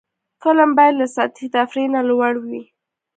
فلم باید له سطحي تفریح نه لوړ وي